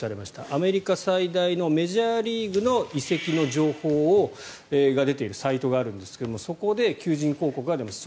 アメリカ最大のメジャーリーグの移籍の情報が出ているサイトがあるんですけどそこで求人広告が出ました。